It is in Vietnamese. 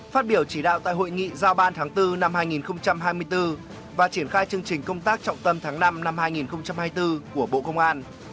phát biểu chỉ đạo tại hội nghị giao ban tháng bốn năm hai nghìn hai mươi bốn và triển khai chương trình công tác trọng tâm tháng năm năm hai nghìn hai mươi bốn của bộ công an